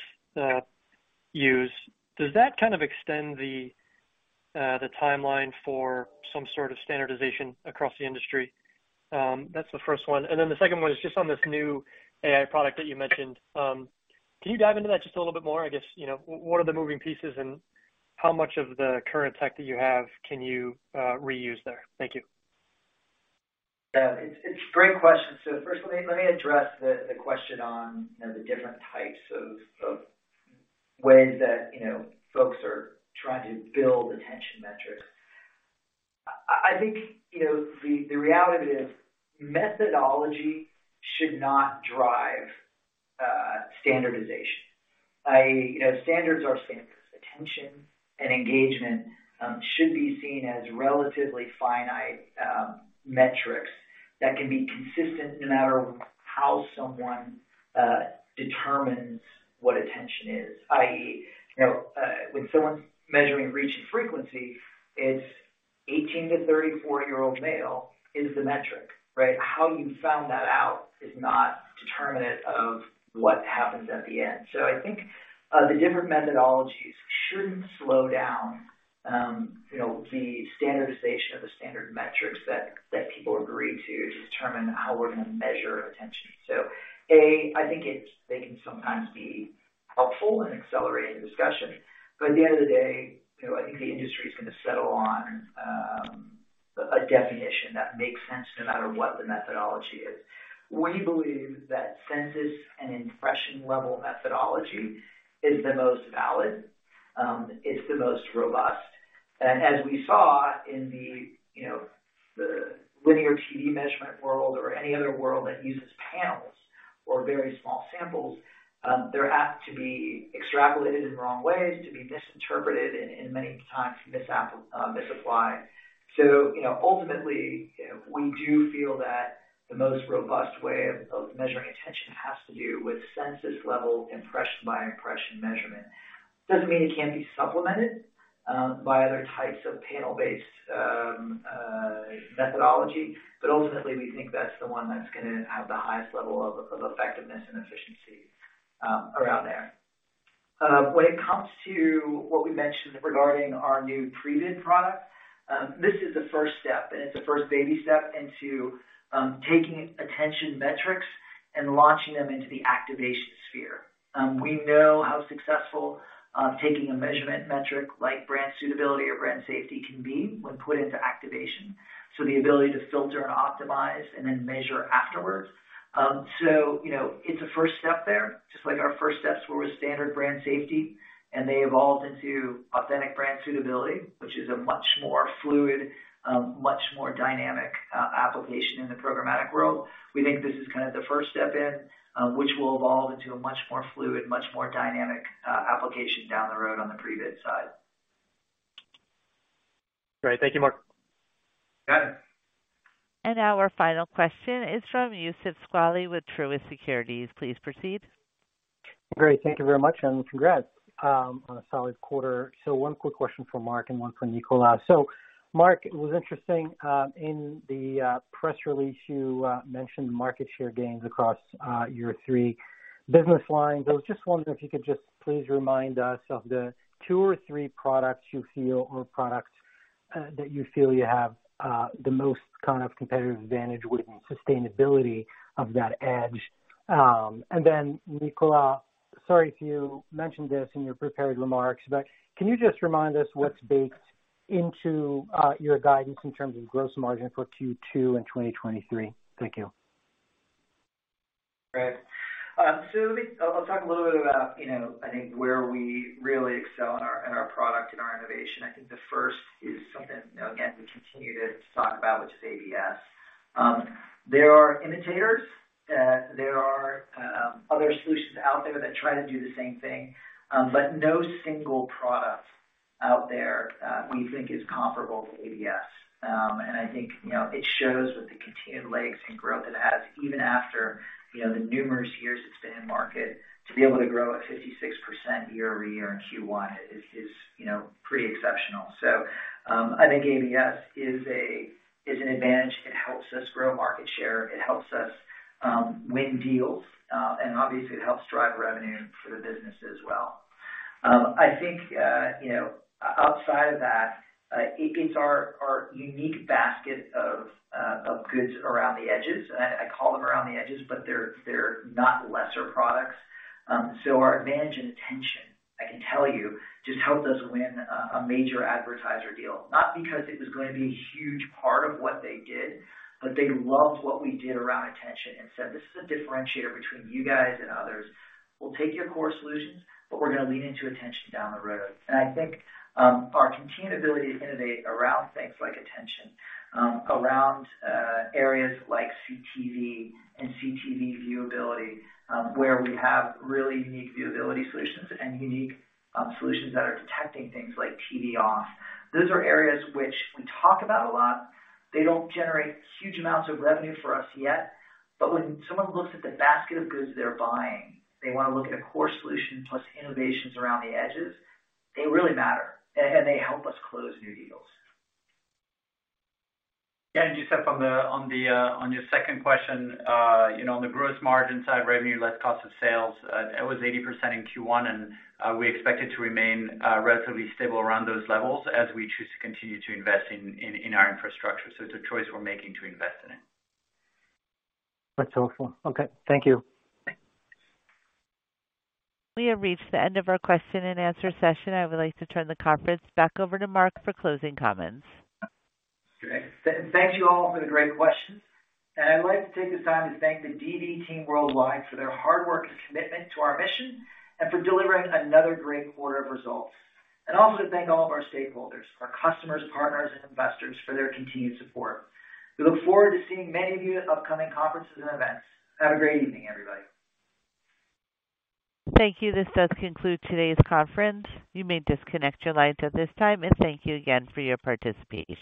use. Does that kind of extend the timeline for some sort of standardization across the industry? That's the first one. The second one is just on this new AI product that you mentioned. Can you dive into that just a little bit more, I guess, you know, what are the moving pieces, and how much of the current tech that you have can you reuse there? Thank you. It's great question. First let me address the question on, you know, the different types of ways that, you know, folks are trying to build attention metrics. I think, you know, the reality is methodology should not drive standardization. You know, standards are standards. Attention and engagement should be seen as relatively finite metrics that can be consistent no matter how someone determines what attention is. i.e., you know, when someone's measuring reach and frequency, it's 18-year-old male to 34-year-old male is the metric, right? How you found that out is not determinate of what happens at the end. I think the different methodologies shouldn't slow down, you know, the standardization of the standard metrics that people agree to determine how we're gonna measure attention. A, I think it's they can sometimes be helpful in accelerating the discussion, but at the end of the day, you know, I think the industry's gonna settle on a definition that makes sense no matter what the methodology is. We believe that census and impression-level methodology is the most valid, it's the most robust. As we saw in the, you know, the linear TV measurement world or any other world that uses panels or very small samples, there have to be extrapolated in the wrong ways to be misinterpreted and many times misapplied. You know, ultimately, you know, we do feel that the most robust way of measuring attention has to do with census-level impression by impression measurement. Doesn't mean it can't be supplemented by other types of panel-based methodology, but ultimately, we think that's the one that's gonna have the highest level of effectiveness and efficiency around there. When it comes to what we mentioned regarding our new pre-bid product, this is the first step, and it's the first baby step into taking attention metrics and launching them into the activation sphere. We know how successful taking a measurement metric like brand suitability or brand safety can be when put into activation, so the ability to filter and optimize and then measure afterwards. You know, it's a first step there, just like our first steps were with standard brand safety, and they evolved into Authentic Brand Suitability, which is a much more fluid, much more dynamic application in the programmatic world. We think this is kind of the first step in, which will evolve into a much more fluid, much more dynamic, application down the road on the pre-bid side. Great. Thank you, Mark. Got it. Now our final question is from Youssef Squali with Truist Securities. Please proceed. Great. Thank you very much, and congrats on a solid quarter. One quick question for Mark and one for Nicola. Mark, it was interesting in the press release, you mentioned market share gains across your three business lines. I was just wondering if you could just please remind us of the two or three products you feel or products that you feel you have the most kind of competitive advantage with sustainability of that edge. Nicola, sorry if you mentioned this in your prepared remarks, but can you just remind us what's baked into your guidance in terms of gross margin for Q2 in 2023? Thank you. Great. I'll talk a little bit about, you know, I think where we really excel in our, in our product and our innovation. I think the first is something, you know, again, we continue to talk about, which is ABS. There are imitators, there are other solutions out there that try to do the same thing. No single product out there, we think is comparable to ABS. I think, you know, it shows with the continued legs and growth it has even after, you know, the numerous years it's been in market. To be able to grow at 56% year-over-year in Q1 is, you know, pretty exceptional. I think ABS is a, is an advantage. It helps us grow market share, it helps us win deals. Obviously it helps drive revenue for the business as well. I think, you know, outside of that, it's our unique basket of goods around the edges. I call them around the edges, but they're not lesser products. Our advantage and attention, I can tell you, just helped us win a major advertiser deal, not because it was gonna be a huge part of what they did, but they loved what we did around attention and said, "This is a differentiator between you guys and others. We'll take your core solutions, but we're gonna lean into attention down the road." I think our continued ability to innovate around things like attention, around areas like CTV and CTV viewability, where we have really unique viewability solutions and unique solutions that are detecting things like TV off, those are areas which we talk about a lot. They don't generate huge amounts of revenue for us yet, when someone looks at the basket of goods they're buying, they wanna look at a core solution plus innovations around the edges. They really matter and they help us close new deals. Yeah. Youssef, on the, on your second question. You know, on the gross margin side, revenue less cost of sales, it was 80% in Q1 and we expect it to remain relatively stable around those levels as we choose to continue to invest in our infrastructure. It's a choice we're making to invest in it. That's helpful. Okay. Thank you. We have reached the end of our question-and-answer session. I would like to turn the conference back over to Mark for closing comments. Great. Thank you all for the great questions. I'd like to take this time to thank the DV team worldwide for their hard work and commitment to our mission and for delivering another great quarter of results. Also to thank all of our stakeholders, our customers, partners and investors for their continued support. We look forward to seeing many of you at upcoming conferences and events. Have a great evening, everybody. Thank you. This does conclude today's conference. You may disconnect your lines at this time. Thank you again for your participation.